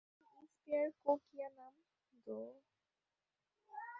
তিনি ইস পেয়ার কো কিয়া নাম দো?